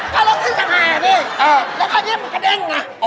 ก็เราขึ้นจังหาดดิแล้วก็เนี่ยมันกระเด็นนะ